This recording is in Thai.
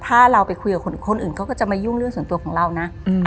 ถ้าเราไปคุยกับคนอื่นเขาก็จะมายุ่งเรื่องส่วนตัวของเรานะ